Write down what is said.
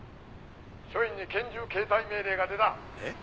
「署員に拳銃携帯命令が出た」えっ？